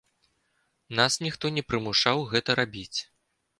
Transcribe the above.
Нас ніхто не прымушаў гэта рабіць.